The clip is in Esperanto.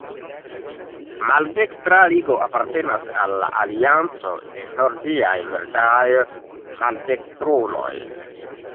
Maldekstra Ligo apartenas al la Alianco de Nordiaj Verdaj Maldekstruloj.